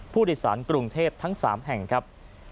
ผู้โดยสารกรุงเทพทั้ง๓แห่งครับ